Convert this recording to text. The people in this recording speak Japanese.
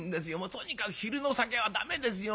とにかく昼の酒は駄目ですよまだ。